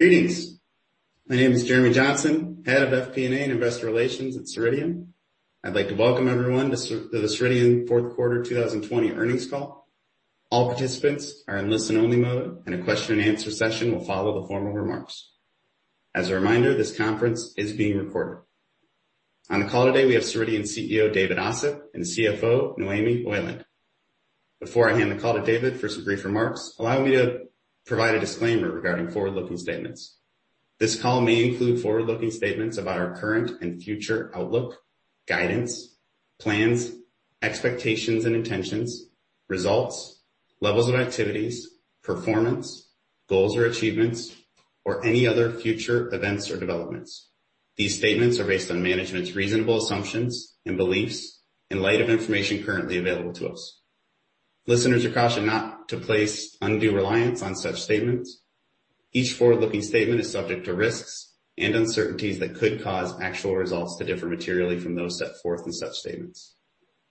Greetings. My name is Jeremy Johnson, head of FP&A and investor relations at Ceridian. I'd like to welcome everyone to the Ceridian fourth quarter 2020 earnings call. All participants are in listen-only mode, and a question and answer session will follow the formal remarks. As a reminder, this conference is being recorded. On the call today, we have Ceridian CEO, David Ossip, and CFO, Noémie Heuland. Before I hand the call to David for some brief remarks, allow me to provide a disclaimer regarding forward-looking statements. This call may include forward-looking statements about our current and future outlook, guidance, plans, expectations and intentions, results, levels of activities, performance, goals or achievements, or any other future events or developments. These statements are based on management's reasonable assumptions and beliefs in light of information currently available to us. Listeners are cautioned not to place undue reliance on such statements. Each forward-looking statement is subject to risks and uncertainties that could cause actual results to differ materially from those set forth in such statements.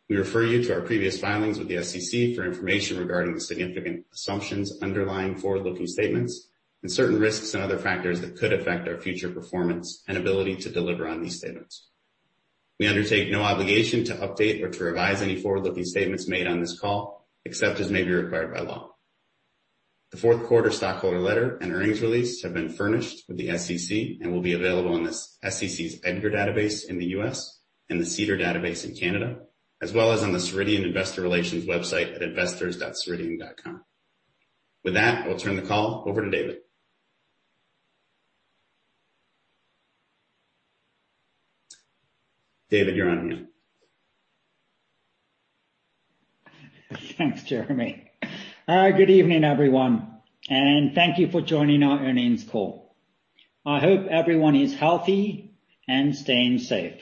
We refer you to our previous filings with the SEC for information regarding the significant assumptions underlying forward-looking statements and certain risks and other factors that could affect our future performance and ability to deliver on these statements. We undertake no obligation to update or to revise any forward-looking statements made on this call, except as may be required by law. The fourth quarter stockholder letter and earnings release have been furnished with the SEC and will be available on the SEC's EDGAR database in the U.S. and the SEDAR database in Canada, as well as on the Ceridian investor relations website at investors.ceridian.com. With that, I'll turn the call over to David. David, you're on mute. Thanks, Jeremy. Good evening, everyone, and thank you for joining our earnings call. I hope everyone is healthy and staying safe.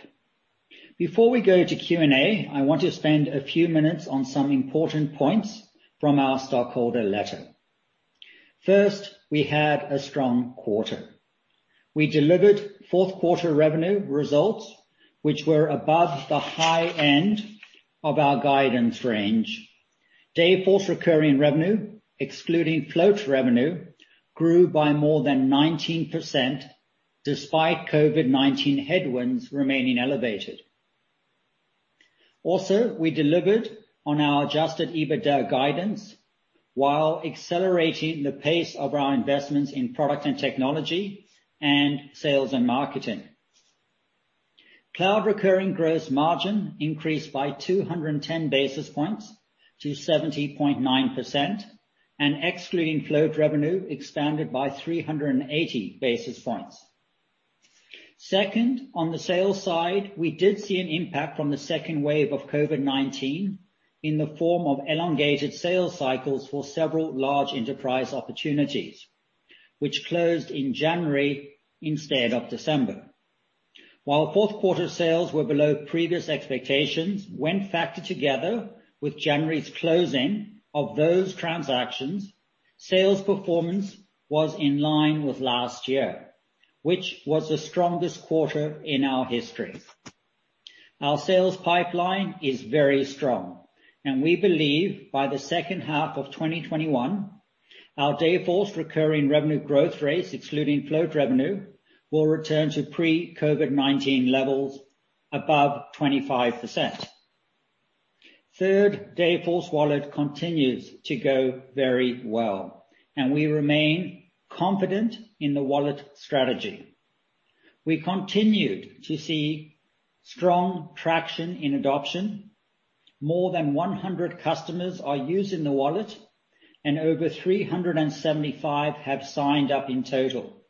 Before we go to Q&A, I want to spend a few minutes on some important points from our stockholder letter. First, we had a strong quarter. We delivered fourth quarter revenue results, which were above the high end of our guidance range. Dayforce recurring revenue, excluding float revenue, grew by more than 19%, despite COVID-19 headwinds remaining elevated. We delivered on our adjusted EBITDA guidance while accelerating the pace of our investments in product and technology and sales and marketing. Cloud recurring gross margin increased by 210 basis points to 70.9%, and excluding float revenue expanded by 380 basis points. On the sales side, we did see an impact from the second wave of COVID-19 in the form of elongated sales cycles for several large enterprise opportunities, which closed in January instead of December. Fourth quarter sales were below previous expectations, when factored together with January's closing of those transactions, sales performance was in line with last year, which was the strongest quarter in our history. Our sales pipeline is very strong. We believe by the second half of 2021, our Dayforce recurring revenue growth rates, excluding float revenue, will return to pre-COVID-19 levels above 25%. Dayforce Wallet continues to go very well. We remain confident in the wallet strategy. We continued to see strong traction in adoption. More than 100 customers are using the wallet. Over 375 have signed up in total.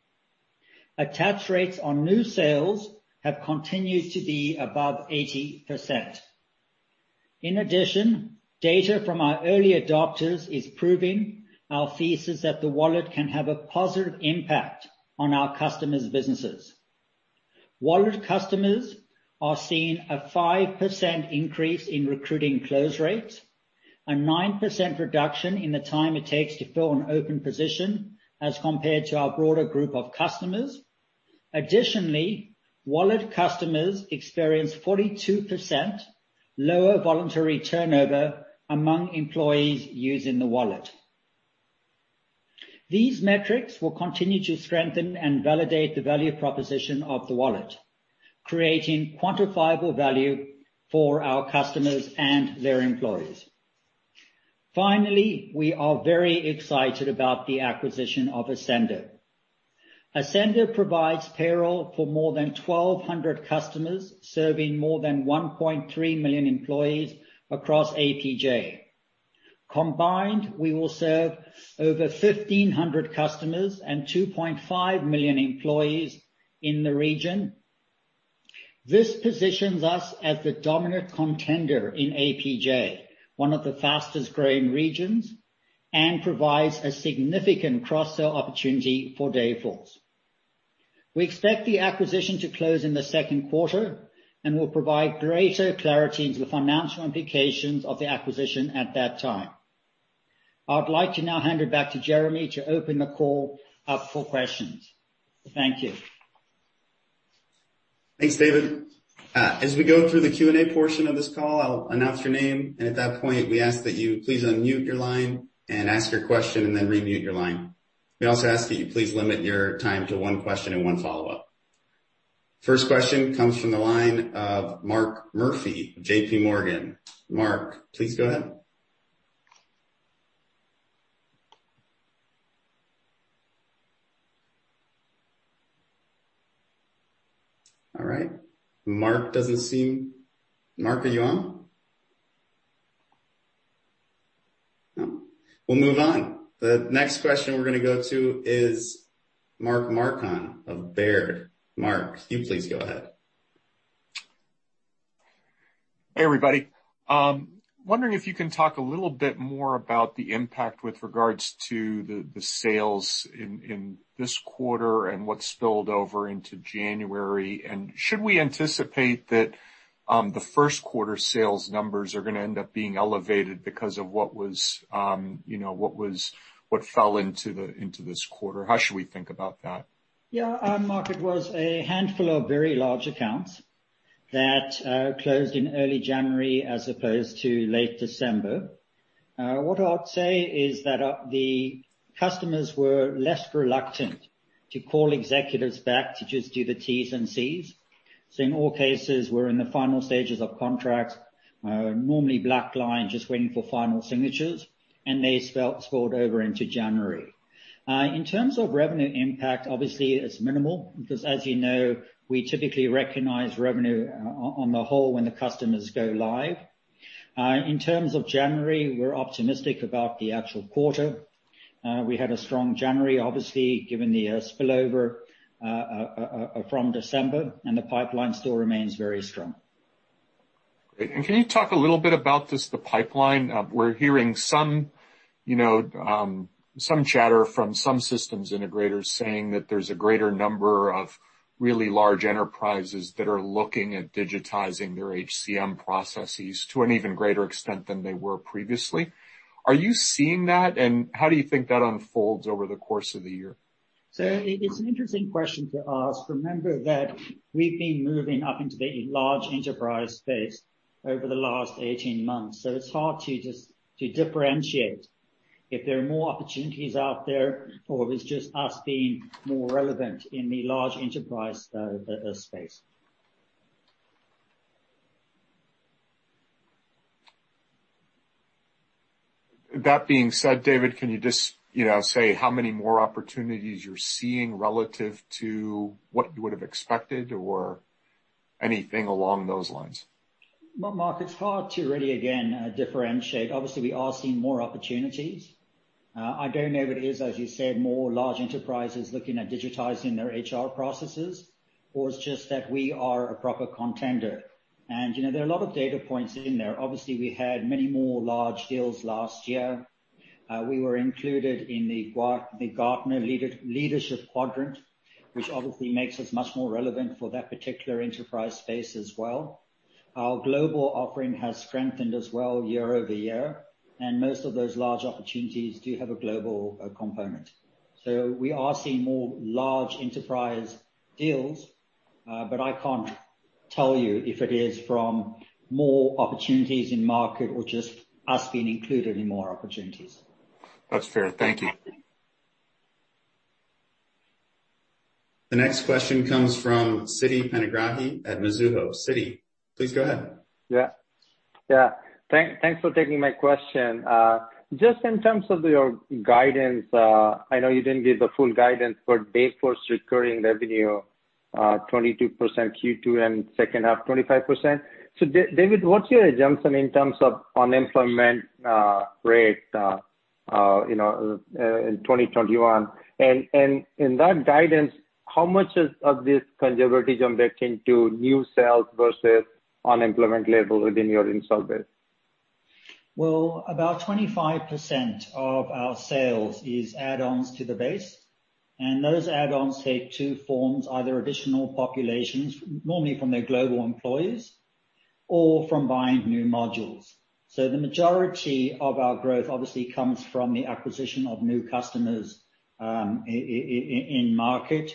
Attach rates on new sales have continued to be above 80%. In addition, data from our early adopters is proving our thesis that the wallet can have a positive impact on our customers' businesses. Dayforce Wallet customers are seeing a 5% increase in recruiting close rates, a 9% reduction in the time it takes to fill an open position as compared to our broader group of customers. Additionally, Dayforce Wallet customers experience 42% lower voluntary turnover among employees using the wallet. These metrics will continue to strengthen and validate the value proposition of the wallet, creating quantifiable value for our customers and their employees. Finally, we are very excited about the acquisition of Ascender. Ascender provides payroll for more than 1,200 customers, serving more than 1.3 million employees across APJ. Combined, we will serve over 1,500 customers and 2.5 million employees in the region. This positions us as the dominant contender in APJ, one of the fastest-growing regions, and provides a significant cross-sell opportunity for Dayforce. We expect the acquisition to close in the second quarter and will provide greater clarity into the financial implications of the acquisition at that time. I would like to now hand it back to Jeremy to open the call up for questions. Thank you. Thanks, David. As we go through the Q&A portion of this call, I'll announce your name, and at that point, we ask that you please unmute your line and ask your question, and then remute your line. We also ask that you please limit your time to one question and one follow-up. First question comes from the line of Mark Murphy, J.P. Morgan. Mark, please go ahead. All right. Mark, are you on? No. We'll move on. The next question we're going to go to is Mark Marcon of Baird. Mark, you please go ahead. Hey, everybody. Wondering if you can talk a little bit more about the impact with regards to the sales in this quarter and what spilled over into January. Should we anticipate that the first quarter sales numbers are going to end up being elevated because of what fell into this quarter? How should we think about that? Yeah, Mark, it was a handful of very large accounts that closed in early January as opposed to late December. What I would say is that the customers were less reluctant to call executives back to just do the T's and C's. In all cases, we're in the final stages of contracts. Normally black line just waiting for final signatures, and they spilled over into January. In terms of revenue impact, obviously it's minimal because as you know, we typically recognize revenue on the whole when the customers go live. In terms of January, we're optimistic about the actual quarter. We had a strong January, obviously, given the spillover from December, and the pipeline still remains very strong. Great. Can you talk a little bit about just the pipeline? We're hearing some chatter from some systems integrators saying that there's a greater number of really large enterprises that are looking at digitizing their HCM processes to an even greater extent than they were previously. Are you seeing that? How do you think that unfolds over the course of the year? It's an interesting question to ask. Remember that we've been moving up into the large enterprise space over the last 18 months. It's hard to differentiate if there are more opportunities out there or if it's just us being more relevant in the large enterprise space. That being said, David, can you just say how many more opportunities you're seeing relative to what you would have expected or anything along those lines? Mark, it's hard to really, again, differentiate. Obviously, we are seeing more opportunities. I don't know if it is, as you said, more large enterprises looking at digitizing their HR processes, or it's just that we are a proper contender. There are a lot of data points in there. Obviously, we had many more large deals last year. We were included in the Gartner Magic Quadrant, which obviously makes us much more relevant for that particular enterprise space as well. Our global offering has strengthened as well year-over-year, and most of those large opportunities do have a global component. We are seeing more large enterprise deals, but I can't tell you if it is from more opportunities in market or just us being included in more opportunities. That's fair. Thank you. The next question comes from Siti Panigrahi at Mizuho. Siti, please go ahead. Yeah. Thanks for taking my question. Just in terms of your guidance, I know you didn't give the full guidance for Dayforce recurring revenue, 22% Q2 and second half, 25%. David, what's your assumption in terms of unemployment rate in 2021? In that guidance, how much of this conservative jump back into new sales versus unemployment label within your install base? Well, about 25% of our sales is add-ons to the base, and those add-ons take two forms, either additional populations, normally from their global employees, or from buying new modules. The majority of our growth obviously comes from the acquisition of new customers in market.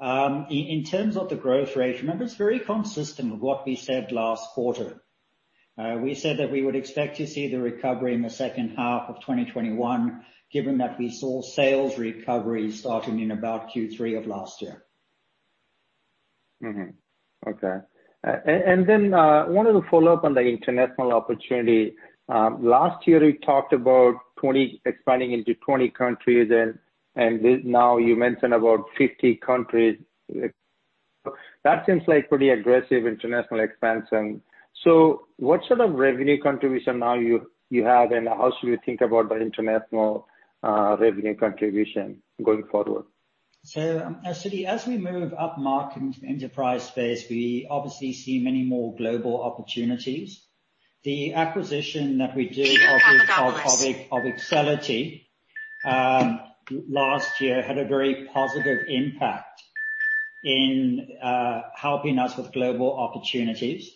In terms of the growth rate, remember, it's very consistent with what we said last quarter. We said that we would expect to see the recovery in the second half of 2021, given that we saw sales recovery starting in about Q3 of last year. Okay. I wanted to follow up on the international opportunity. Last year, you talked about expanding into 20 countries, and now you mentioned about 50 countries. That seems like pretty aggressive international expansion. What sort of revenue contribution now you have, and how should we think about the international revenue contribution going forward? Siti, as we move upmarket into the enterprise space, we obviously see many more global opportunities. The acquisition that we did. Can you talk up, please? Of Excelity last year had a very positive impact in helping us with global opportunities.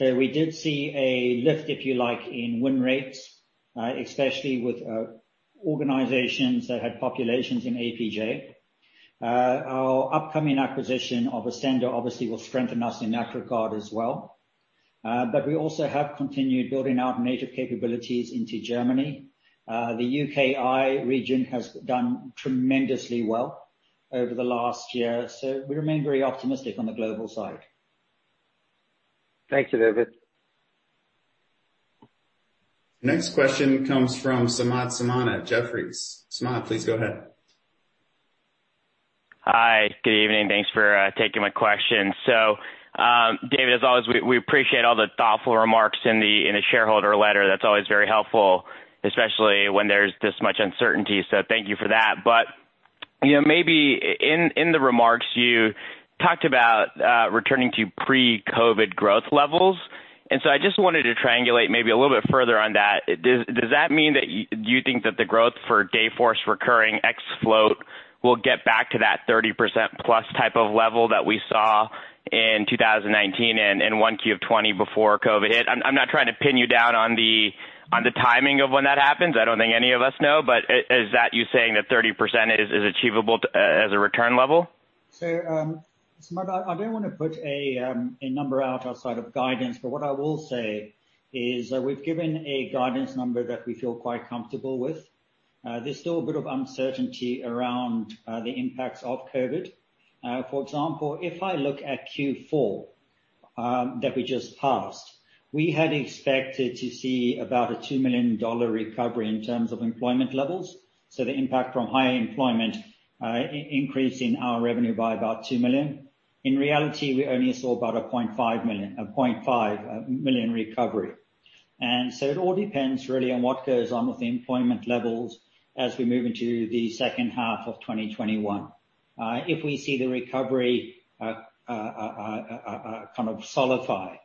We did see a lift, if you like, in win rates, especially with organizations that had populations in APJ. Our upcoming acquisition of Ascender obviously will strengthen us in that regard as well. We also have continued building out major capabilities into Germany. The UKI region has done tremendously well over the last year, so we remain very optimistic on the global side. Thank you, David. Next question comes from Samad Samana at Jefferies. Samad, please go ahead. Hi, good evening. Thanks for taking my question. David, as always, we appreciate all the thoughtful remarks in the shareholder letter. That's always very helpful, especially when there's this much uncertainty. Thank you for that. Maybe in the remarks you talked about returning to pre-COVID growth levels. I just wanted to triangulate maybe a little bit further on that. Does that mean that you think that the growth for Dayforce recurring ex-float will get back to that 30% plus type of level that we saw in 2019 and in 1Q of 2020 before COVID hit? I'm not trying to pin you down on the timing of when that happens. I don't think any of us know. Is that you saying that 30% is achievable as a return level? Samad, I don't want to put a number out outside of guidance, but what I will say is that we've given a guidance number that we feel quite comfortable with. There's still a bit of uncertainty around the impacts of COVID. For example, if I look at Q4 that we just passed, we had expected to see about a $2 million recovery in terms of employment levels. The impact from higher employment increasing our revenue by about $2 million. In reality, we only saw about a $0.5 million recovery. It all depends really on what goes on with the employment levels as we move into the second half of 2021. If we see the recovery kind of solidify,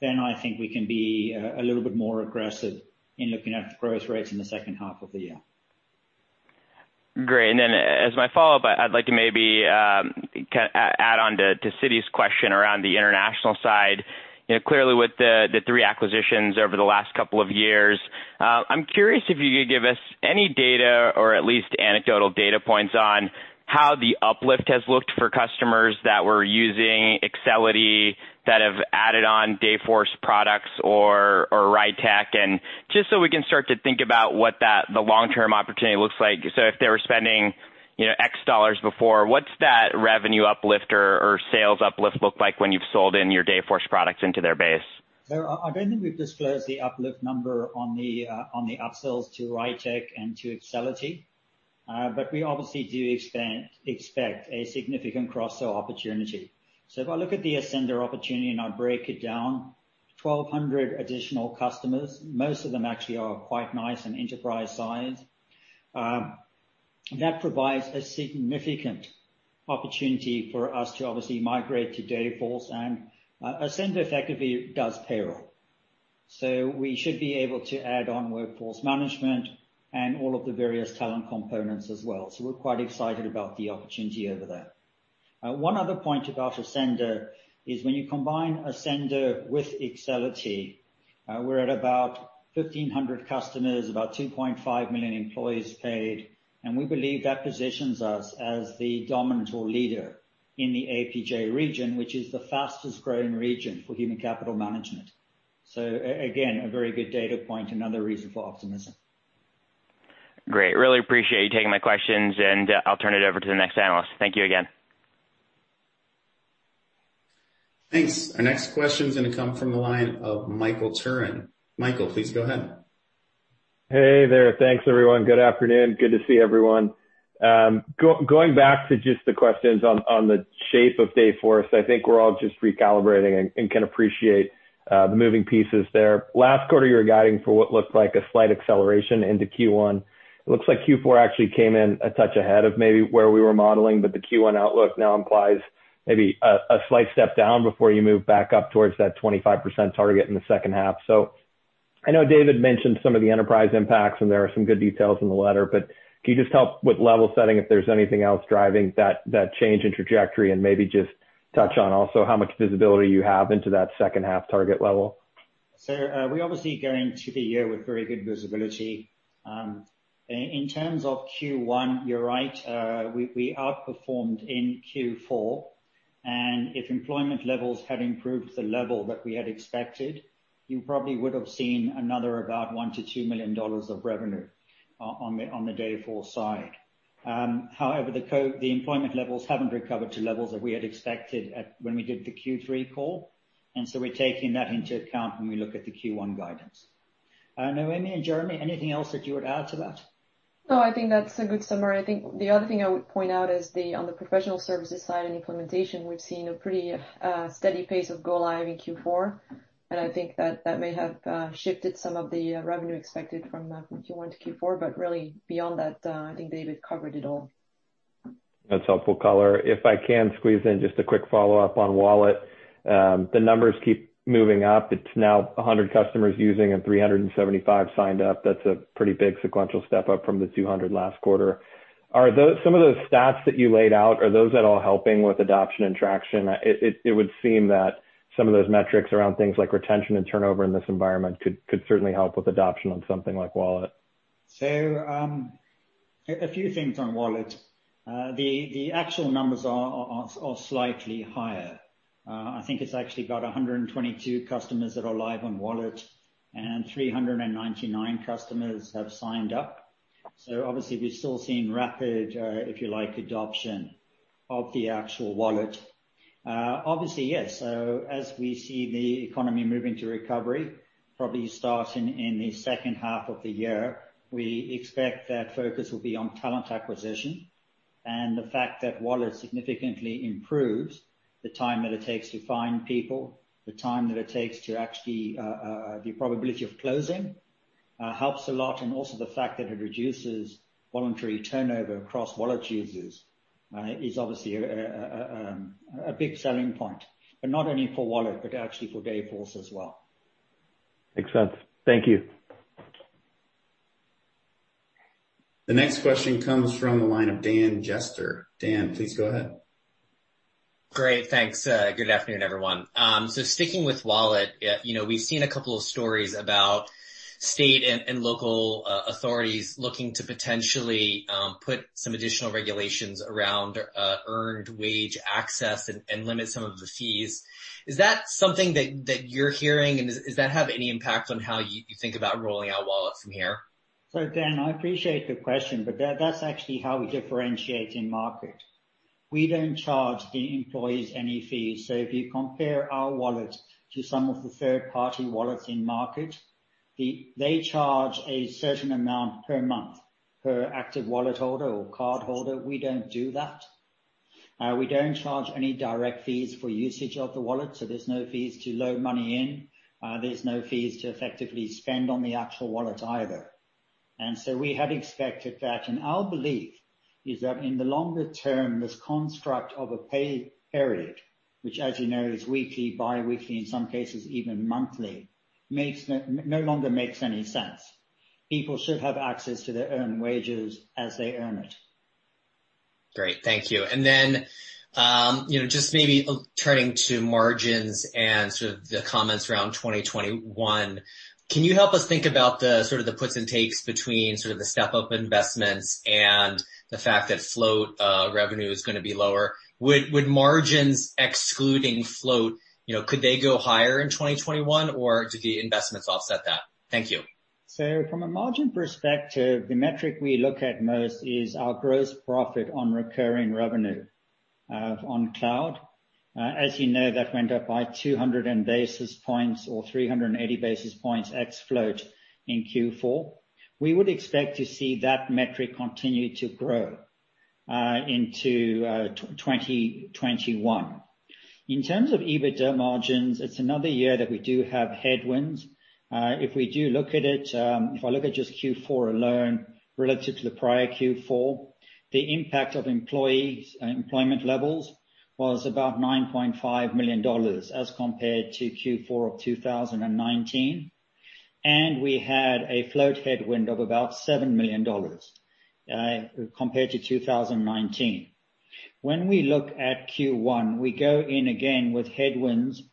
then I think we can be a little bit more aggressive in looking at growth rates in the second half of the year. Great. As my follow-up, I'd like to maybe add on to Siti's question around the international side. Clearly with the three acquisitions over the last couple of years, I'm curious if you could give us any data or at least anecdotal data points on how the uplift has looked for customers that were using Excelity, that have added on Dayforce products or RITEQ, and just so we can start to think about what the long-term opportunity looks like. If they were spending X dollars before, what's that revenue uplift or sales uplift look like when you've sold in your Dayforce products into their base? I don't think we've disclosed the uplift number on the upsells to RITEQ and to Excelity. We obviously do expect a significant cross-sell opportunity. If I look at the Ascender opportunity and I break it down, 1,200 additional customers, most of them actually are quite nice and enterprise-sized. That provides a significant opportunity for us to obviously migrate to Dayforce, and Ascender effectively does payroll. We should be able to add on workforce management and all of the various talent components as well. We're quite excited about the opportunity over there. One other point about Ascender is when you combine Ascender with Excelity, we're at about 1,500 customers, about 2.5 million employees paid, and we believe that positions us as the dominant or leader in the APJ region, which is the fastest growing region for human capital management. Again, a very good data point and another reason for optimism. Great. Really appreciate you taking my questions. I'll turn it over to the next analyst. Thank you again. Thanks. Our next question is going to come from the line of Michael Turrin. Michael, please go ahead. Hey there. Thanks, everyone. Good afternoon. Good to see everyone. Going back to just the questions on the shape of Dayforce, I think we're all just recalibrating and can appreciate the moving pieces there. Last quarter, you were guiding for what looked like a slight acceleration into Q1. Looks like Q4 actually came in attached ahead of where we were remodeling the Q1 outlook now implies maybe a slight step down before you move back up towards that 25% target in the second half. I know David mentioned some of the enterprise impacts, and there are some good details in the letter, but can you just help with level setting if there's anything else driving that change in trajectory and maybe just touch on also how much visibility you have into that second half target level? We're obviously going into the year with very good visibility. In terms of Q1, you're right. We outperformed in Q4. If employment levels had improved to the level that we had expected, you probably would have seen another about $1 million-$2 million of revenue on the Dayforce side. However, the employment levels haven't recovered to levels that we had expected when we did the Q3 call. We're taking that into account when we look at the Q1 guidance. Noémie and Jeremy, anything else that you would add to that? I think that's a good summary. I think the other thing I would point out is on the professional services side and implementation, we've seen a pretty steady pace of go live in Q4. I think that that may have shifted some of the revenue expected from Q1-Q4. Really beyond that, I think David covered it all. That's helpful color. If I can squeeze in just a quick follow-up on Dayforce Wallet. The numbers keep moving up. It's now 100 customers using and 375 signed up. That's a pretty big sequential step up from the 200 last quarter. Are some of those stats that you laid out, are those at all helping with adoption and traction? It would seem that some of those metrics around things like retention and turnover in this environment could certainly help with adoption on something like Dayforce Wallet. A few things on Dayforce Wallet. The actual numbers are slightly higher. I think it's actually got 122 customers that are live on Dayforce Wallet, and 399 customers have signed up. Obviously, we're still seeing rapid, if you like, adoption of the actual Dayforce Wallet. Obviously, yes. As we see the economy moving to recovery, probably starting in the second half of the year, we expect that focus will be on talent acquisition and the fact that Dayforce Wallet significantly improves the time that it takes to find people, the probability of closing helps a lot, and also the fact that it reduces voluntary turnover across Dayforce Wallet users, is obviously a big selling point. Not only for Dayforce Wallet, but actually for Dayforce as well. Makes sense. Thank you. The next question comes from the line of Dan Jester. Dan, please go ahead. Great. Thanks. Good afternoon, everyone. Sticking with Dayforce Wallet, we've seen a couple of stories about state and local authorities looking to potentially put some additional regulations around earned wage access and limit some of the fees. Is that something that you're hearing? Does that have any impact on how you think about rolling out Dayforce Wallet from here? Dan, I appreciate the question, that's actually how we differentiate in market. We don't charge the employees any fees. If you compare our wallet to some of the third-party wallets in market, they charge a certain amount per month per active wallet holder or cardholder. We don't do that. We don't charge any direct fees for usage of the wallet, there's no fees to load money in. There's no fees to effectively spend on the actual wallet either. We had expected that. Our belief is that in the longer term, this construct of a pay period, which as you know, is weekly, bi-weekly, in some cases even monthly, no longer makes any sense. People should have access to their earned wages as they earn it. Great. Thank you. Just maybe turning to margins and sort of the comments around 2021, can you help us think about the puts and takes between the step-up investments and the fact that float revenue is going to be lower? Would margins excluding float, could they go higher in 2021, or do the investments offset that? Thank you. From a margin perspective, the metric we look at most is our gross profit on recurring revenue on cloud. As you know, that went up by 200 basis points or 380 basis points excluding float in Q4. We would expect to see that metric continue to grow into 2021. In terms of EBITDA margins, it's another year that we do have headwinds. If we do look at it, if I look at just Q4 alone relative to the prior Q4, the impact of employment levels was about $9.5 million as compared to Q4 of 2019, and we had a float headwind of about $7 million compared to 2019. When we look at Q1, we go in again with headwinds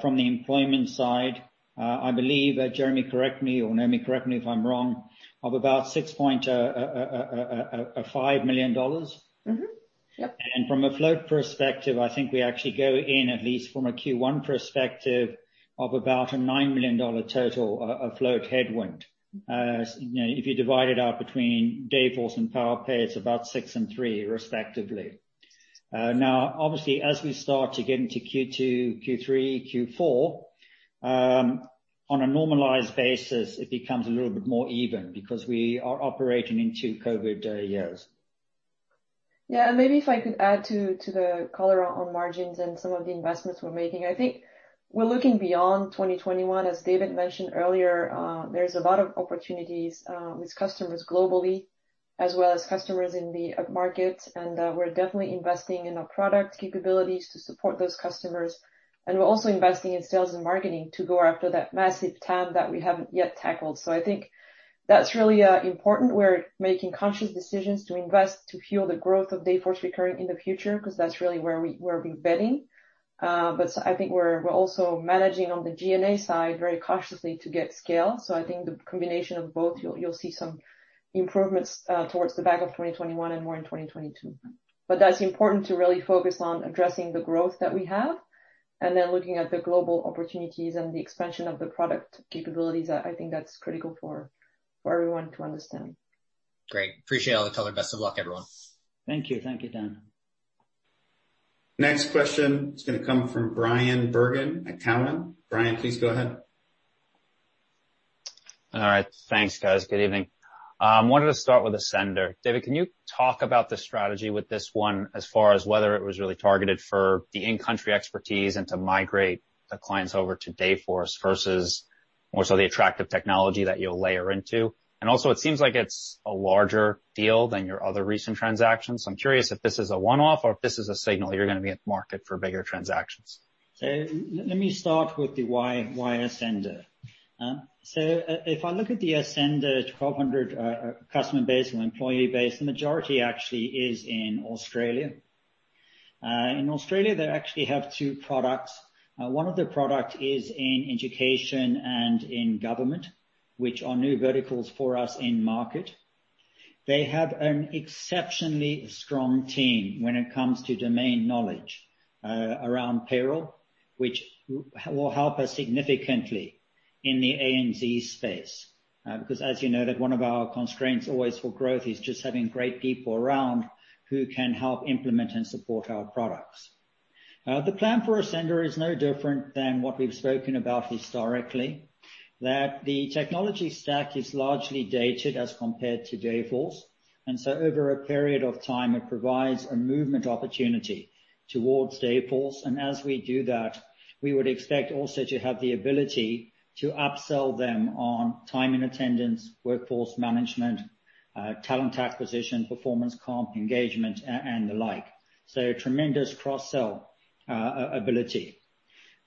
from the employment side, I believe, Jeremy, correct me, or Noémie, correct me if I'm wrong, of about $6.5 million. Mm-hmm. Yep. From a float perspective, I think we actually go in at least from a Q1 perspective of about a $9 million total of float headwind. If you divide it out between Dayforce and Powerpay, it's about $6 million and $3 million respectively. Now obviously as we start to get into Q2, Q3, Q4, on a normalized basis, it becomes a little bit more even because we are operating in two COVID years. Yeah, maybe if I could add to the color on margins and some of the investments we're making. I think we're looking beyond 2021. As David mentioned earlier, there's a lot of opportunities with customers globally as well as customers in the upmarket, we're definitely investing in our product capabilities to support those customers. We're also investing in sales and marketing to go after that massive TAM that we haven't yet tackled. I think that's really important. We're making conscious decisions to invest to fuel the growth of Dayforce recurrent in the future, because that's really where we're betting. I think we're also managing on the G&A side very cautiously to get scale. I think the combination of both, you'll see some improvements towards the back of 2021 and more in 2022. That's important to really focus on addressing the growth that we have and then looking at the global opportunities and the expansion of the product capabilities. I think that's critical for everyone to understand. Great. Appreciate all the color. Best of luck, everyone. Thank you. Thank you, Dan. Next question is going to come from Bryan Bergin at Cowen. Bryan, please go ahead. All right. Thanks, guys. Good evening. I wanted to start with Ascender. David, can you talk about the strategy with this one as far as whether it was really targeted for the in-country expertise and to migrate the clients over to Dayforce versus more so the attractive technology that you'll layer into? It also seems like it's a larger deal than your other recent transactions. I'm curious if this is a one-off or if this is a signal you're going to be in the market for bigger transactions. Let me start with the why Ascender. If I look at the Ascender 1,200 customer base and employee base, the majority actually is in Australia. In Australia, they actually have two products. One of the product is in education and in government, which are new verticals for us in market. They have an exceptionally strong team when it comes to domain knowledge around payroll, which will help us significantly in the ANZ space. As you know, that one of our constraints always for growth is just having great people around who can help implement and support our products. The plan for Ascender is no different than what we've spoken about historically, that the technology stack is largely dated as compared to Dayforce, and so over a period of time, it provides a movement opportunity towards Dayforce. As we do that, we would expect also to have the ability to upsell them on time and attendance, workforce management, talent acquisition, performance comp, engagement, and the like. Tremendous cross-sell ability.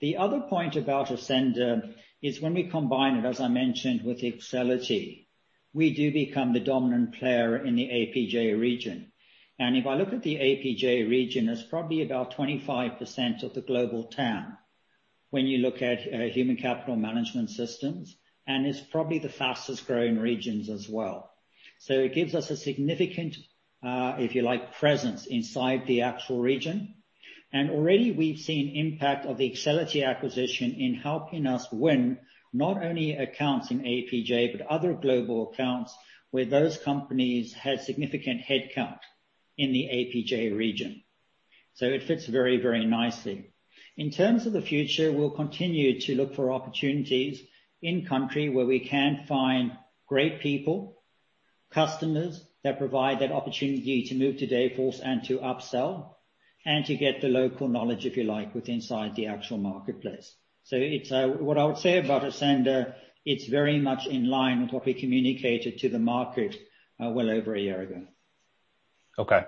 The other point about Ascender is when we combine it, as I mentioned, with Excelity, we do become the dominant player in the APJ region. If I look at the APJ region, it's probably about 25% of the global TAM when you look at human capital management systems, and it's probably the fastest growing regions as well. It gives us a significant, if you like, presence inside the actual region. Already we've seen impact of the Excelity acquisition in helping us win not only accounts in APJ, but other global accounts where those companies had significant headcount in the APJ region. It fits very nicely. In terms of the future, we'll continue to look for opportunities in country where we can find great people, customers that provide that opportunity to move to Dayforce and to upsell, and to get the local knowledge, if you like, with inside the actual marketplace. What I would say about Ascender, it's very much in line with what we communicated to the market well over a year ago. Okay.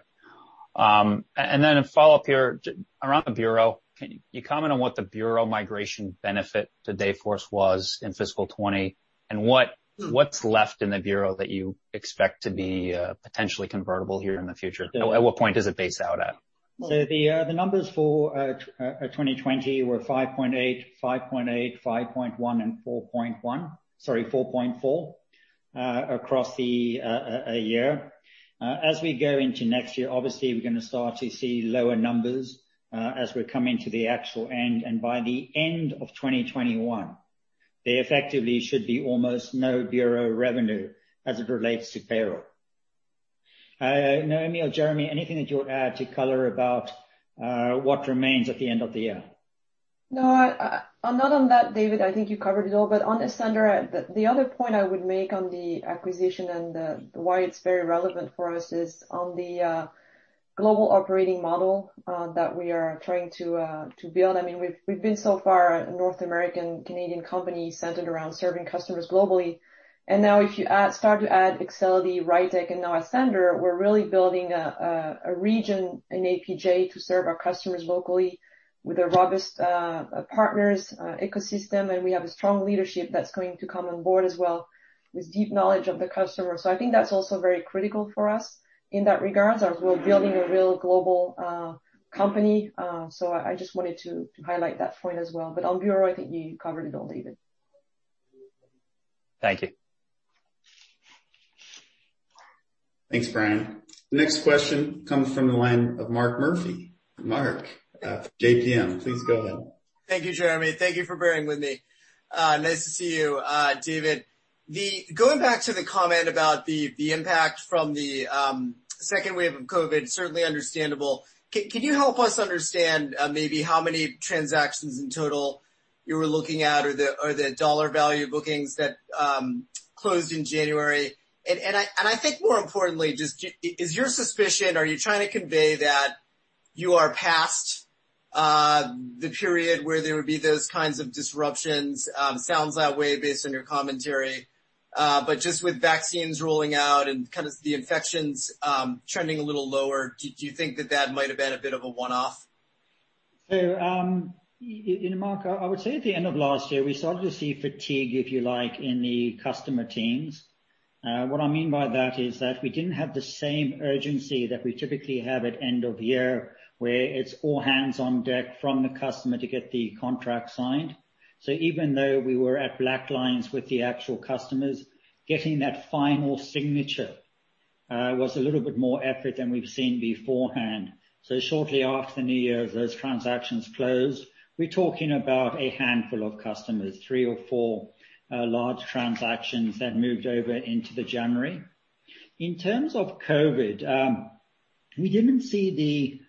A follow-up here. Around the bureau, can you comment on what the bureau migration benefit to Dayforce was in fiscal 2020, and what's left in the bureau that you expect to be potentially convertible here in the future? At what point does it base out at? The numbers for 2020 were $5.8, $5.8, $5.1, and $4.1, sorry, $4.4 across a year. As we go into next year, obviously, we're going to start to see lower numbers as we come into the actual end, and by the end of 2021, there effectively should be almost no bureau revenue as it relates to payroll. Noémie or Jeremy, anything that you would add to color about what remains at the end of the year? No, not on that, David. I think you covered it all. On Ascender, the other point I would make on the acquisition and why it's very relevant for us is on the global operating model that we are trying to build. We've been so far a North American, Canadian company centered around serving customers globally. Now if you start to add Excelity, RITEQ, and now Ascender, we're really building a region in APJ to serve our customers locally with a robust partners ecosystem, and we have a strong leadership that's going to come on board as well with deep knowledge of the customer. I think that's also very critical for us in that regards, as we're building a real global company. I just wanted to highlight that point as well. On bureau, I think you covered it all, David. Thank you. Thanks, Bryan. The next question comes from the line of Mark Murphy. Mark, J.P. Morgan, please go ahead. Thank you, Jeremy. Thank you for bearing with me. Nice to see you, David. Going back to the comment about the impact from the second wave of COVID, certainly understandable. Can you help us understand maybe how many transactions in total you were looking at or the dollar value bookings that closed in January? I think more importantly, is your suspicion, are you trying to convey that you are past the period where there would be those kinds of disruptions? Sounds that way based on your commentary. Just with vaccines rolling out and the infections trending a little lower, do you think that that might have been a bit of a one-off? Mark, I would say at the end of last year, we started to see fatigue, if you like, in the customer teams. What I mean by that is that we didn't have the same urgency that we typically have at end of year, where it's all hands on deck from the customer to get the contract signed. Even though we were at black lines with the actual customers, getting that final signature was a little bit more effort than we've seen beforehand. Shortly after New Year, those transactions closed. We're talking about a handful of customers, three or four large transactions that moved over into the January. In terms of COVID, we didn't see the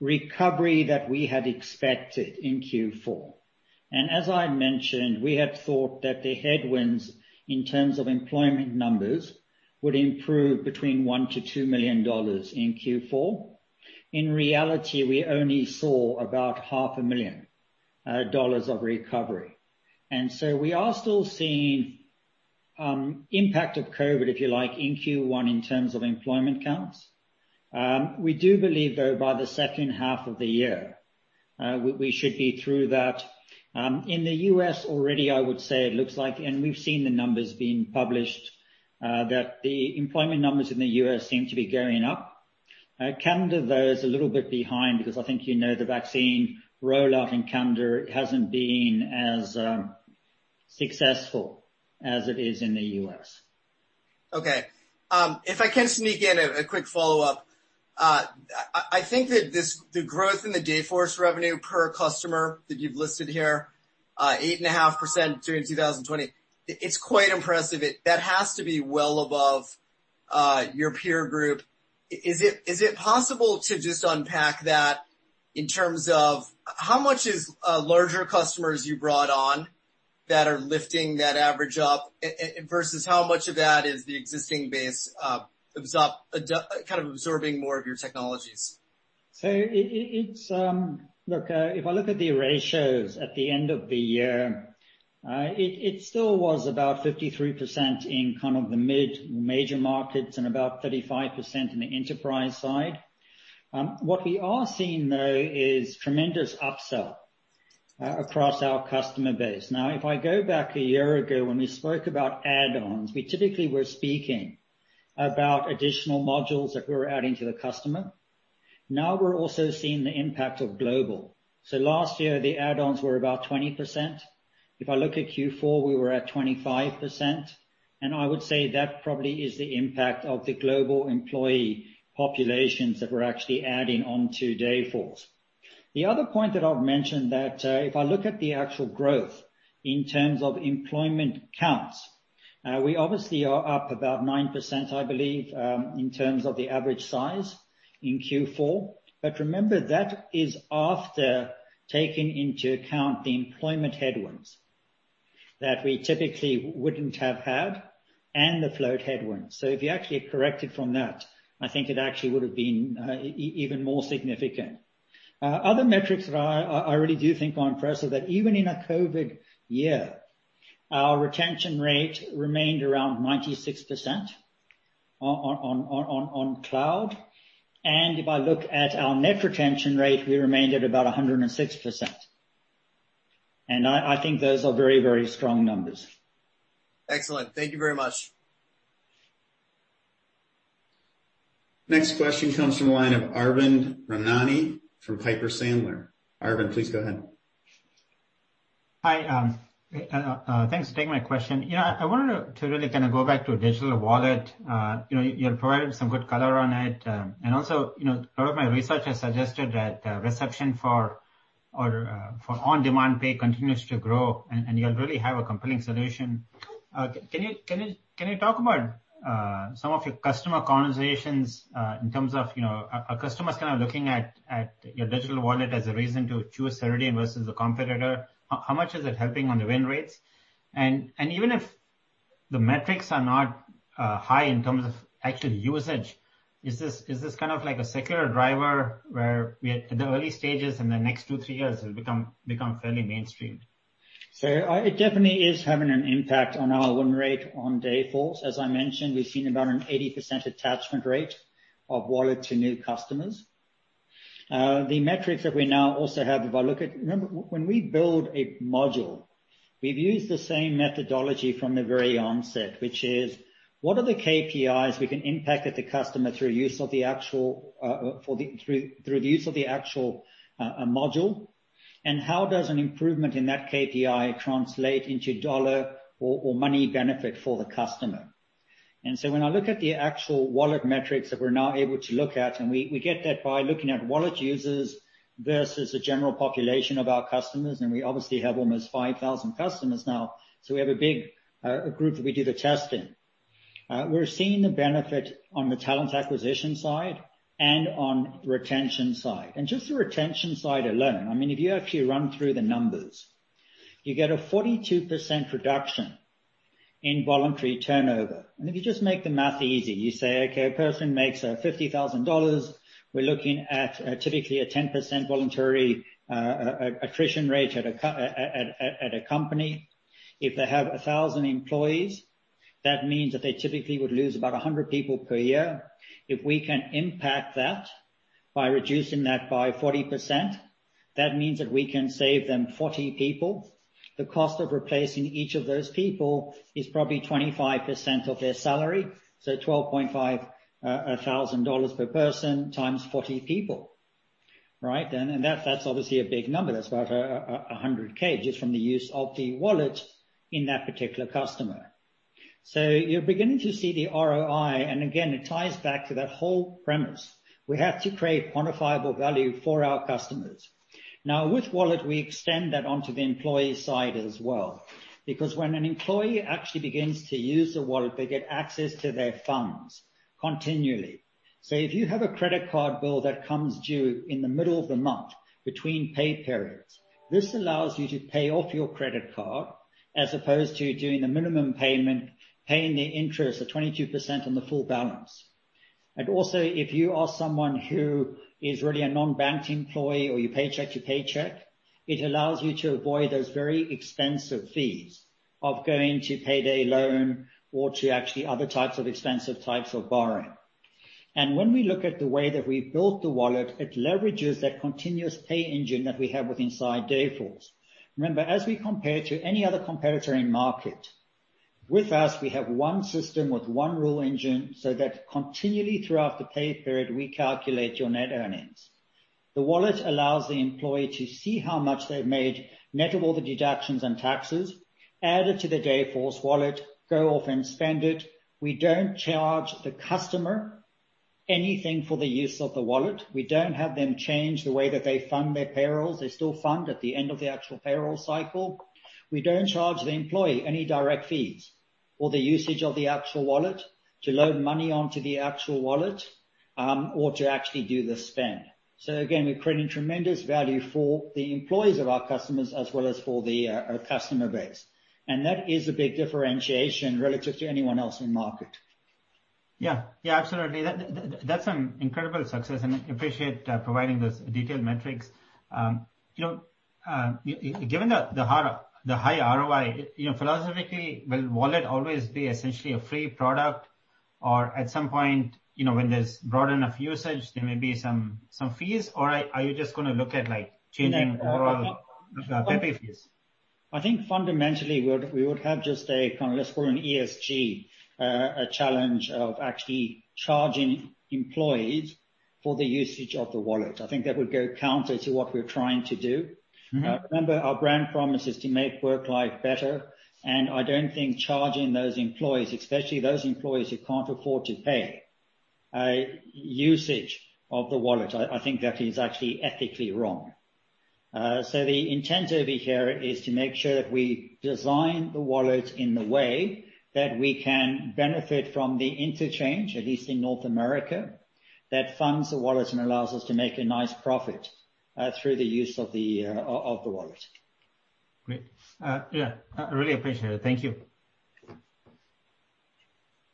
recovery that we had expected in Q4. As I mentioned, we had thought that the headwinds in terms of employment numbers would improve between $1 million-$2 million in Q4. In reality, we only saw about half a million dollars of recovery. We are still seeing impact of COVID, if you like, in Q1 in terms of employment counts. We do believe, though, by the second half of the year, we should be through that. In the U.S. already, I would say it looks like, and we've seen the numbers being published, that the employment numbers in the U.S. seem to be going up. Canada, though, is a little bit behind because I think you know the vaccine rollout in Canada hasn't been as successful as it is in the U.S. Okay. If I can sneak in a quick follow-up. I think that the growth in the Dayforce revenue per customer that you've listed here, 8.5% during 2020, it's quite impressive. That has to be well above your peer group. Is it possible to just unpack that in terms of how much is larger customers you brought on that are lifting that average up, versus how much of that is the existing base kind of absorbing more of your technologies? Look, if I look at the ratios at the end of the year, it still was about 53% in kind of the mid, major markets and about 35% in the enterprise side. What we are seeing, though, is tremendous upsell across our customer base. If I go back a year ago when we spoke about add-ons, we typically were speaking about additional modules that we were adding to the customer. We're also seeing the impact of global. Last year, the add-ons were about 20%. If I look at Q4, we were at 25%, and I would say that probably is the impact of the global employee populations that we're actually adding on to Dayforce. The other point that I've mentioned that if I look at the actual growth in terms of employment counts, we obviously are up about 9%, I believe, in terms of the average size in Q4. Remember, that is after taking into account the employment headwinds that we typically wouldn't have had and the float headwinds. If you actually correct it from that, I think it actually would have been even more significant. Other metrics that I really do think are impressive, that even in a COVID year, our retention rate remained around 96% on cloud. If I look at our net retention rate, we remained at about 106%. I think those are very strong numbers. Excellent. Thank you very much. Next question comes from the line of Arvind Ramnani from Piper Sandler. Arvind, please go ahead. Hi. Thanks for taking my question. I wanted to really kind of go back to digital wallet. You have provided some good color on it. Also, all of my research has suggested that reception for on-demand pay continues to grow, and you really have a compelling solution. Can you talk about some of your customer conversations in terms of, are customers kind of looking at your digital wallet as a reason to choose Ceridian versus a competitor? How much is it helping on the win rates? Even if the metrics are not high in terms of actual usage, is this kind of like a secular driver where we're at the early stages in the next two, three years will become fairly mainstream? It definitely is having an impact on our win rate on Dayforce. As I mentioned, we've seen about an 80% attachment rate of Dayforce Wallet to new customers. The metrics that we now also have, if I look at Remember, when we build a module, we've used the same methodology from the very onset, which is, what are the KPIs we can impact at the customer through the use of the actual module, and how does an improvement in that KPI translate into dollar or money benefit for the customer? When I look at the actual wallet metrics that we're now able to look at, and we get that by looking at wallet users versus the general population of our customers, and we obviously have almost 5,000 customers now, so we have a big group that we do the test in. We're seeing the benefit on the talent acquisition side and on retention side. Just the retention side alone, if you actually run through the numbers, you get a 42% reduction in voluntary turnover. If you just make the math easy, you say, okay, a person makes $50,000. We're looking at typically a 10% voluntary attrition rate at a company. If they have 1,000 employees, that means that they typically would lose about 100 people per year. If we can impact that by reducing that by 40%, that means that we can save them 40 people. The cost of replacing each of those people is probably 25% of their salary, so $12,500 per person times 40 people. Right? That's obviously a big number. That's about 100K just from the use of the wallet in that particular customer. You're beginning to see the ROI, and again, it ties back to that whole premise. We have to create quantifiable value for our customers. With Dayforce Wallet, we extend that onto the employee side as well, because when an employee actually begins to use the Dayforce Wallet, they get access to their funds continually. If you have a credit card bill that comes due in the middle of the month between pay periods, this allows you to pay off your credit card as opposed to doing the minimum payment, paying the interest of 22% on the full balance. Also, if you are someone who is really a non-banked employee or you paycheck to paycheck, it allows you to avoid those very expensive fees of going to payday loan or to actually other types of expensive types of borrowing. When we look at the way that we built the Dayforce Wallet, it leverages that continuous pay engine that we have with inside Dayforce. Remember, as we compare to any other competitor in market, with us, we have one system with one rule engine, so that continually throughout the pay period, we calculate your net earnings. The Dayforce Wallet allows the employee to see how much they've made net of all the deductions and taxes, add it to their Dayforce Wallet, go off and spend it. We don't charge the customer anything for the use of the Dayforce Wallet. We don't have them change the way that they fund their payrolls. They still fund at the end of the actual payroll cycle. We don't charge the employee any direct fees for the usage of the actual wallet, to load money onto the actual wallet, or to actually do the spend. Again, we're creating tremendous value for the employees of our customers as well as for our customer base. That is a big differentiation relative to anyone else in market. Yeah. Absolutely. That's an incredible success, and appreciate providing those detailed metrics. Given the high ROI, philosophically, will wallet always be essentially a free product or at some point, when there's broad enough usage, there may be some fees? Are you just going to look at charging overall pay fees? I think fundamentally, we would have just a, let's call it an ESG, a challenge of actually charging employees for the usage of the wallet. I think that would go counter to what we're trying to do. Remember, our brand promise is to make work life better, and I don't think charging those employees, especially those employees who can't afford to pay, usage of the wallet. I think that is actually ethically wrong. The intent over here is to make sure that we design the wallet in the way that we can benefit from the interchange, at least in North America, that funds the wallet and allows us to make a nice profit through the use of the wallet. Great. Yeah. I really appreciate it. Thank you.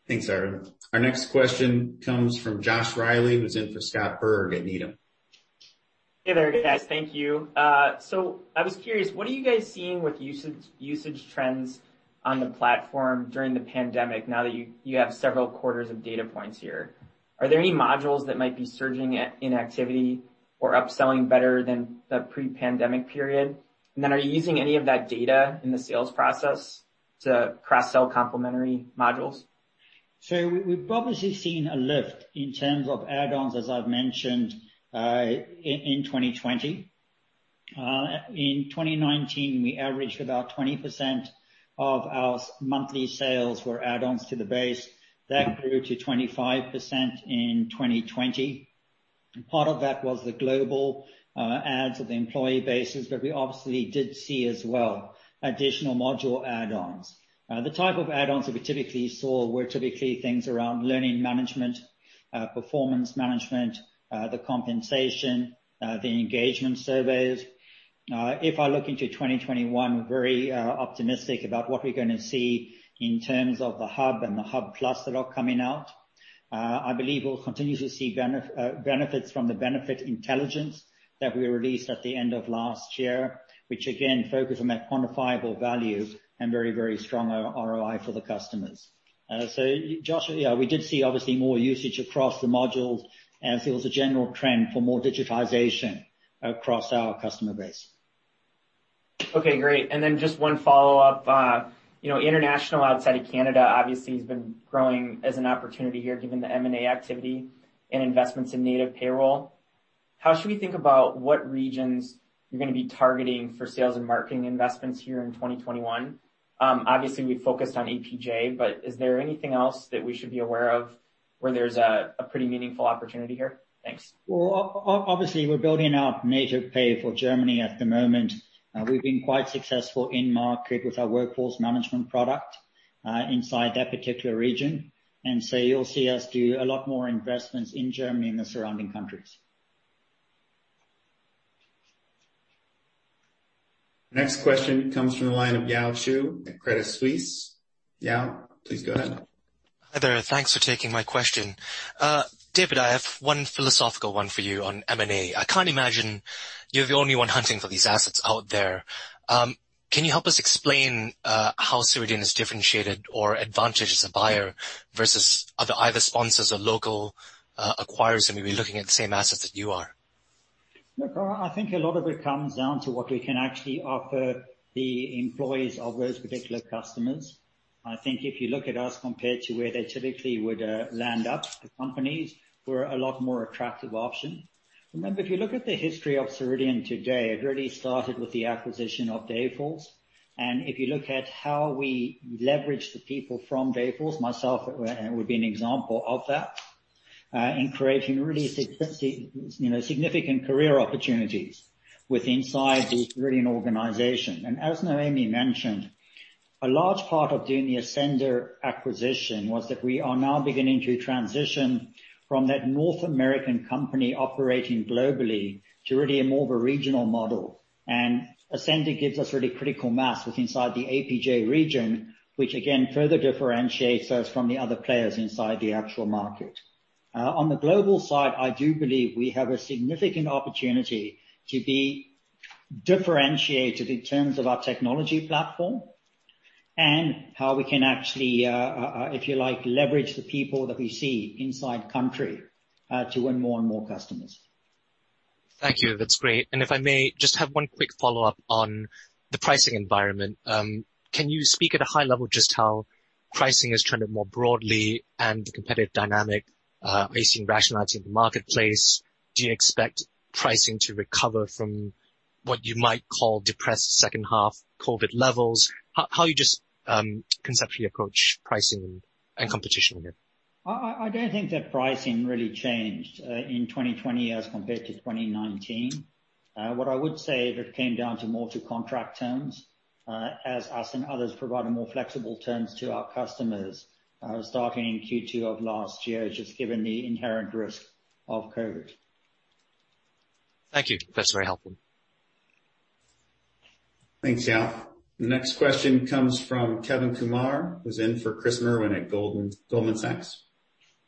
Thanks, Arvind. Our next question comes from Josh Reilly, who's in for Scott Berg at Needham. Hey there, guys. Thank you. I was curious, what are you guys seeing with usage trends on the platform during the pandemic now that you have several quarters of data points here? Are there any modules that might be surging in activity or upselling better than the pre-pandemic period? Are you using any of that data in the sales process to cross-sell complementary modules? We've obviously seen a lift in terms of add-ons, as I've mentioned, in 2020. In 2019, we averaged about 20% of our monthly sales were add-ons to the base. That grew to 25% in 2020. Part of that was the global adds of the employee bases, but we obviously did see as well additional module add-ons. The type of add-ons that we typically saw were typically things around learning management, performance management, the compensation, the engagement surveys. If I look into 2021, we're very optimistic about what we're going to see in terms of the Dayforce Hub and the Dayforce Hub Plus that are coming out. I believe we'll continue to see benefits from the Benefits Intelligence that we released at the end of last year, which again, focus on that quantifiable value and very, very strong ROI for the customers. Josh, yeah, we did see obviously more usage across the modules as there was a general trend for more digitization across our customer base. Okay, great. Just one follow-up. International outside of Canada obviously has been growing as an opportunity here given the M&A activity and investments in Native Payroll. How should we think about what regions you're going to be targeting for sales and marketing investments here in 2021? Obviously, we focused on APJ, is there anything else that we should be aware of where there's a pretty meaningful opportunity here? Thanks. Well, obviously, we're building out Native Pay for Germany at the moment. We've been quite successful in market with our workforce management product inside that particular region. You'll see us do a lot more investments in Germany and the surrounding countries. Next question comes from the line of Yao Chew at Credit Suisse. Yao, please go ahead. Hi there. Thanks for taking my question. David, I have one philosophical one for you on M&A. I can't imagine you're the only one hunting for these assets out there. Can you help us explain how Ceridian is differentiated or advantaged as a buyer versus other either sponsors or local acquirers who may be looking at the same assets that you are? Look, I think a lot of it comes down to what we can actually offer the employees of those particular customers. I think if you look at us compared to where they typically would land up, the companies, we're a lot more attractive option. Remember, if you look at the history of Ceridian today, it really started with the acquisition of Dayforce. If you look at how we leverage the people from Dayforce, myself would be an example of that, in creating really significant career opportunities with inside the Ceridian organization. As Noémie mentioned, a large part of doing the Ascender acquisition was that we are now beginning to transition from that North American company operating globally to really a more of a regional model. Ascender gives us really critical mass with inside the APJ region, which again, further differentiates us from the other players inside the actual market. On the global side, I do believe we have a significant opportunity to be differentiated in terms of our technology platform and how we can actually, if you like, leverage the people that we see inside country to win more and more customers. Thank you. That's great. If I may just have one quick follow-up on the pricing environment. Can you speak at a high level just how pricing has trended more broadly and the competitive dynamic, are you seeing rationalizing the marketplace? Do you expect pricing to recover from what you might call depressed second half COVID levels? How you just conceptually approach pricing and competition again? I don't think that pricing really changed in 2020 as compared to 2019. What I would say is it came down to more to contract terms, as us and others provided more flexible terms to our customers, starting in Q2 of last year, just given the inherent risk of COVID. Thank you. That's very helpful. Thanks, Yao. The next question comes from Kevin Kumar, who's in for Chris Merwin at Goldman Sachs.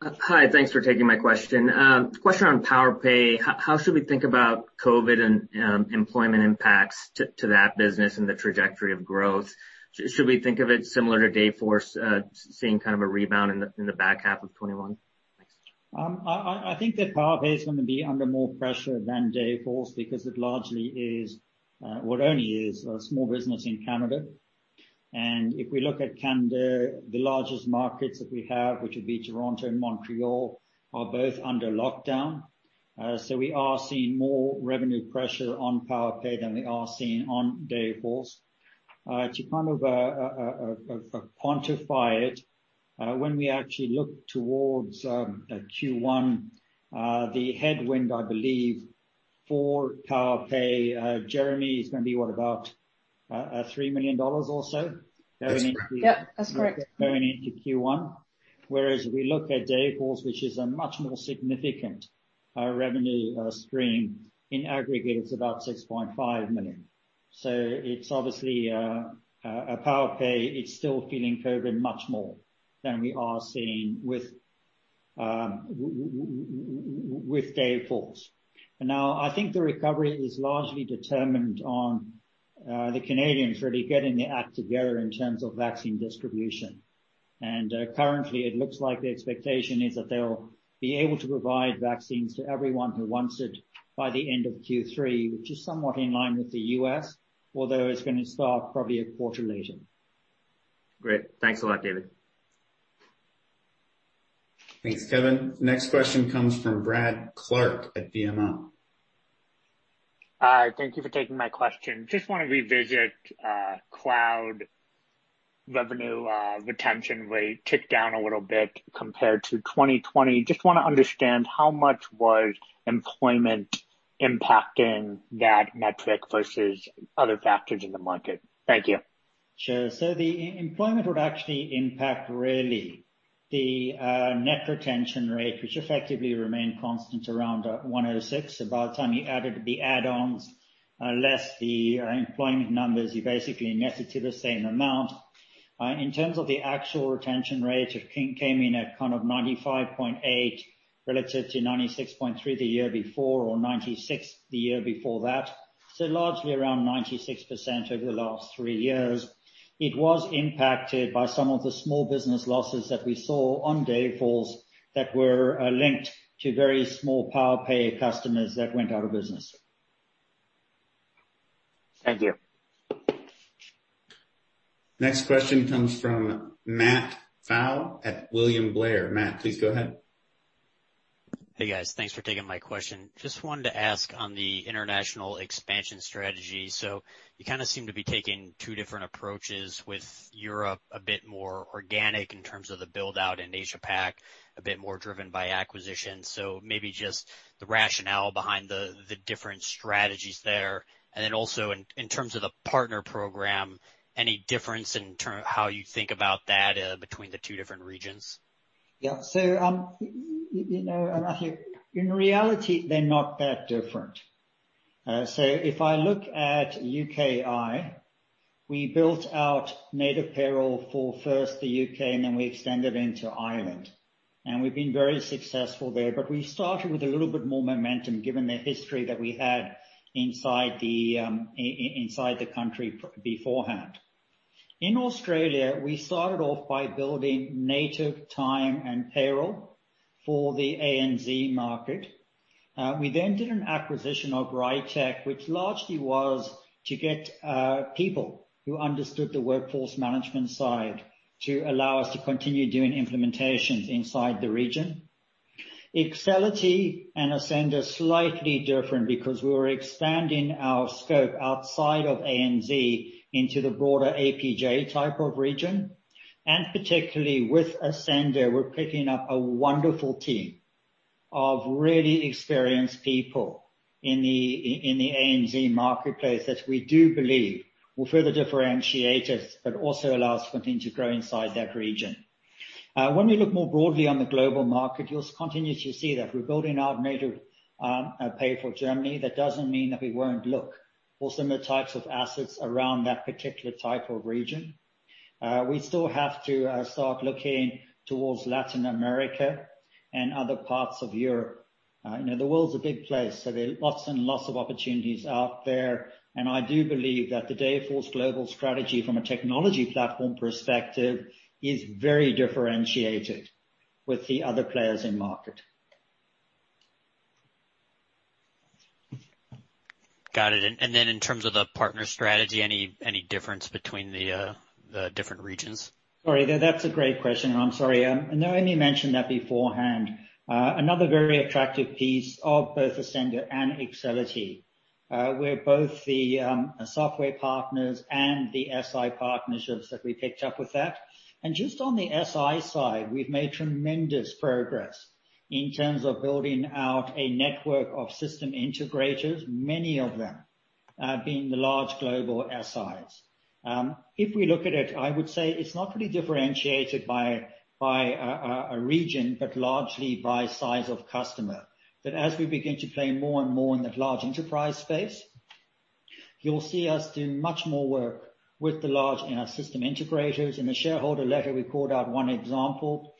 Hi. Thanks for taking my question. Question on Powerpay. How should we think about COVID and employment impacts to that business and the trajectory of growth? Should we think of it similar to Dayforce, seeing kind of a rebound in the back half of 2021? Thanks. I think that Powerpay is going to be under more pressure than Dayforce because it largely is, well it only is a small business in Canada. If we look at Canada, the largest markets that we have, which would be Toronto and Montreal, are both under lockdown. We are seeing more revenue pressure on Powerpay than we are seeing on Dayforce. To kind of quantify it, when we actually look towards Q1, the headwind, I believe, for Powerpay, Jeremy, is going to be what, about $3 million or so? That's correct. Yep, that's correct. Going into Q1. If we look at Dayforce, which is a much more significant revenue stream, in aggregate, it's about $6.5 million. It's obviously Powerpay, it's still feeling COVID much more than we are seeing with Dayforce. For now, I think the recovery is largely determined on the Canadians really getting their act together in terms of vaccine distribution. Currently, it looks like the expectation is that they'll be able to provide vaccines to everyone who wants it by the end of Q3, which is somewhat in line with the U.S., although it's going to start probably a quarter later. Great. Thanks a lot, David. Thanks, Kevin. Next question comes from Brad Clark at BMO. Hi. Thank you for taking my question. Just want to revisit cloud revenue retention rate ticked down a little bit compared to 2020. Just want to understand how much was employment impacting that metric versus other factors in the market? Thank you. Sure. The employment would actually impact really the net retention rate, which effectively remained constant around 106%. By the time you added the add-ons, less the employment numbers, you basically netted to the same amount. In terms of the actual retention rate, it came in at kind of 95.8% relative to 96.3% the year before, or 96% the year before that. Largely around 96% over the last three years. It was impacted by some of the small business losses that we saw on Dayforce that were linked to very small Powerpay customers that went out of business. Thank you. Next question comes from Matt Pfau at William Blair. Matt, please go ahead. Hey, guys. Thanks for taking my question. Just wanted to ask on the international expansion strategy. You kind of seem to be taking two different approaches with Europe, a bit more organic in terms of the build-out in Asia-Pacific, a bit more driven by acquisition. Maybe just the rationale behind the different strategies there. Also in terms of the partner program, any difference in how you think about that between the two different regions? Yeah. Matt, in reality, they're not that different. If I look at UKI, we built out native payroll for first the U.K., and then we extended into Ireland. We've been very successful there, but we started with a little bit more momentum given the history that we had inside the country beforehand. In Australia, we started off by building native time and payroll for the ANZ market. We did an acquisition of RITEQ, which largely was to get people who understood the workforce management side to allow us to continue doing implementations inside the region. Excelity and Ascender are slightly different because we were expanding our scope outside of ANZ into the broader APJ type of region. Particularly with Ascender, we're picking up a wonderful team of really experienced people in the ANZ marketplace that we do believe will further differentiate us, but also allow us to continue to grow inside that region. When we look more broadly on the global market, you'll continue to see that we're building out Native Pay for Germany. That doesn't mean that we won't look for similar types of assets around that particular type of region. We still have to start looking towards Latin America and other parts of Europe. The world's a big place, there are lots of opportunities out there. I do believe that the Dayforce global strategy from a technology platform perspective is very differentiated with the other players in market. Got it. In terms of the partner strategy, any difference between the different regions? Sorry, that's a great question, and I'm sorry. Noémie mentioned that beforehand. Another very attractive piece of both Ascender and Excelity, where both the software partners and the SI partnerships that we picked up with that. Just on the SI side, we've made tremendous progress in terms of building out a network of system integrators, many of them being the large global SIs. If we look at it, I would say it's not really differentiated by a region, but largely by size of customer. As we begin to play more and more in that large enterprise space, you'll see us do much more work with the large system integrators. In the shareholder letter, we called out one example,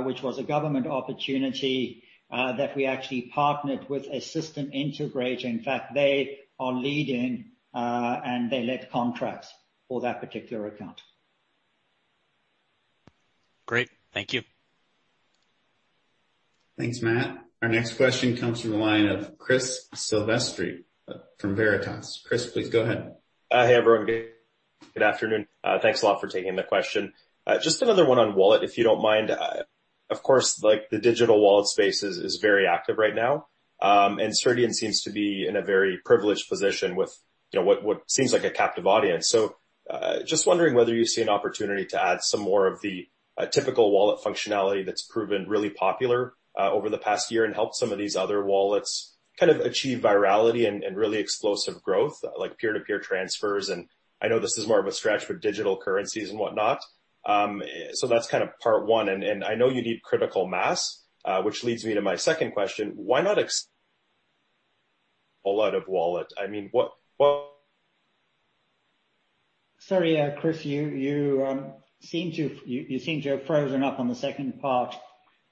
which was a government opportunity that we actually partnered with a system integrator. In fact, they are leading, and they led contracts for that particular account. Great. Thank you. Thanks, Matt. Our next question comes from the line of Chris Silvestre from Veritas. Chris, please go ahead. Hey, everyone. Good afternoon. Thanks a lot for taking the question. Just another one on Dayforce Wallet, if you don't mind. The digital wallet space is very active right now. Ceridian seems to be in a very privileged position with what seems like a captive audience. Just wondering whether you see an opportunity to add some more of the typical wallet functionality that's proven really popular over the past year and helped some of these other wallets kind of achieve virality and really explosive growth, like peer-to-peer transfers. I know this is more of a stretch for digital currencies and whatnot. That's kind of part one. I know you need critical mass, which leads me to my second question. Why not accelerate the rollout of Dayforce Wallet? Sorry, Chris, you seem to have frozen up on the second part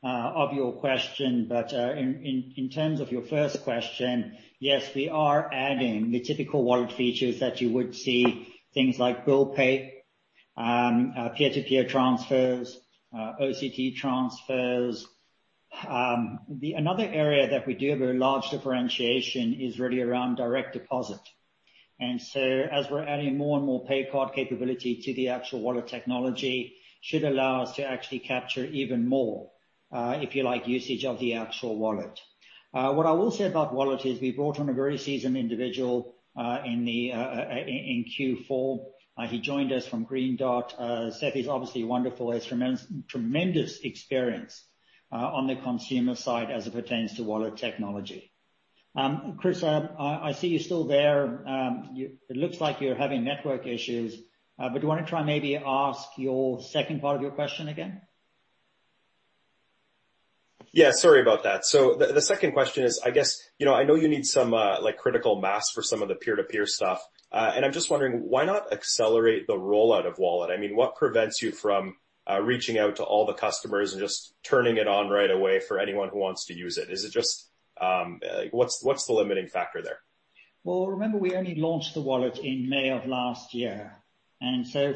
of your question. In terms of your first question, yes, we are adding the typical wallet features that you would see, things like bill pay, peer-to-peer transfers, OCT transfers. Another area that we do have a large differentiation is really around direct deposit. So as we're adding more and more pay card capability to the actual wallet technology, should allow us to actually capture even more, if you like, usage of the actual wallet. What I will say about Dayforce Wallet is we brought on a very seasoned individual in Q4. He joined us from Green Dot. Seth is obviously wonderful. He has tremendous experience on the consumer side as it pertains to wallet technology. Chris, I see you're still there. It looks like you're having network issues, but do you want to try and maybe ask your second part of your question again? Yeah, sorry about that. The second question is, I guess, I know you need some critical mass for some of the peer-to-peer stuff. I'm just wondering why not accelerate the rollout of Dayforce Wallet? I mean, what prevents you from reaching out to all the customers and just turning it on right away for anyone who wants to use it? What's the limiting factor there? Remember, we only launched the Dayforce Wallet in May of last year.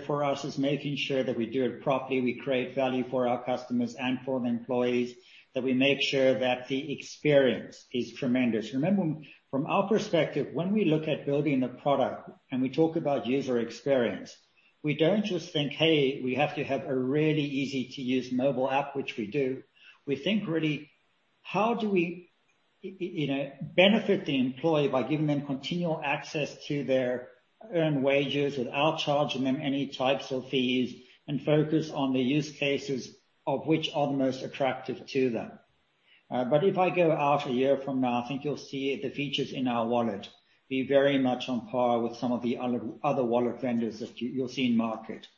For us it's making sure that we do it properly, we create value for our customers and for the employees, that we make sure that the experience is tremendous. Remember, from our perspective, when we look at building a product and we talk about user experience, we don't just think, "Hey, we have to have a really easy-to-use mobile app," which we do. We think really how do we benefit the employee by giving them continual access to their earned wages without charging them any types of fees and focus on the use cases of which are the most attractive to them. If I go out a year from now, I think you'll see the features in our wallet be very much on par with some of the other wallet vendors that you'll see in market.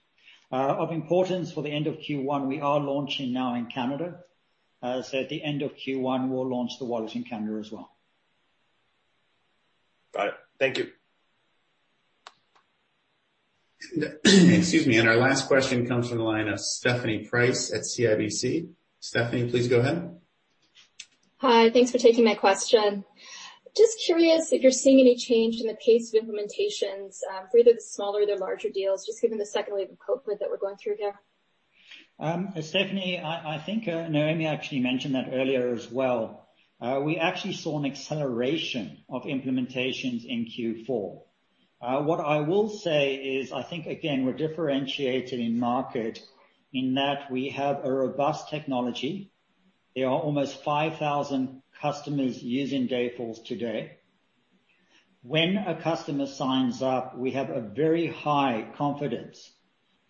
Of importance for the end of Q1, we are launching now in Canada. At the end of Q1, we'll launch the Dayforce Wallet in Canada as well. Got it. Thank you. Excuse me. Our last question comes from the line of Stephanie Price at CIBC. Stephanie, please go ahead. Hi. Thanks for taking my question. Just curious if you're seeing any change in the pace of implementations for either the smaller or the larger deals, just given the second wave of COVID that we're going through here. Stephanie, I think Noémie actually mentioned that earlier as well. We actually saw an acceleration of implementations in Q4. What I will say is, I think, again, we're differentiated in market in that we have a robust technology. There are almost 5,000 customers using Dayforce today. When a customer signs up, we have a very high confidence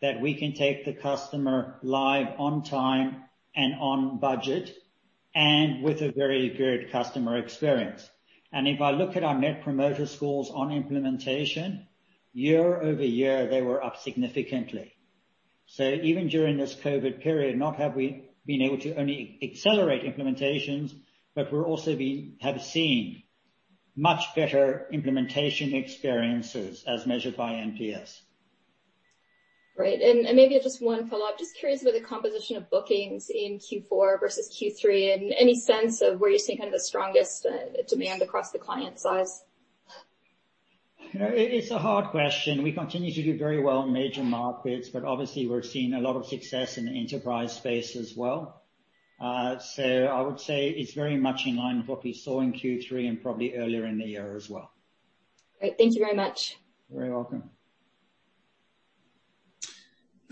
that we can take the customer live on time and on budget and with a very good customer experience. If I look at our net promoter scores on implementation, year-over-year, they were up significantly. Even during this COVID period, not have we been able to only accelerate implementations, but we also have seen much better implementation experiences as measured by NPS. Great. Maybe just one follow-up. Just curious about the composition of bookings in Q4 versus Q3 and any sense of where you're seeing kind of the strongest demand across the client size? It's a hard question. We continue to do very well in major markets, but obviously we're seeing a lot of success in the enterprise space as well. I would say it's very much in line with what we saw in Q3 and probably earlier in the year as well. Great. Thank you very much. You're very welcome.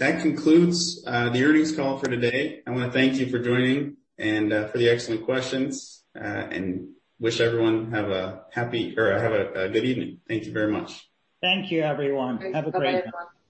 That concludes the earnings call for today. I want to thank you for joining and for the excellent questions and wish everyone have a good evening. Thank you very much. Thank you, everyone. Have a great day. Thanks. Bye-bye, everyone.